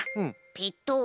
ペト。